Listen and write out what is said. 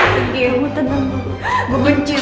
jangan lupa like share dan subscribe ya